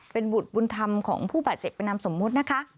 เป็นบุตรบุญธรรมของผู้บาดเจ็บเป็นนามสมมุตินะคะ